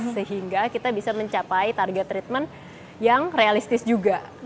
sehingga kita bisa mencapai target treatment yang realistis juga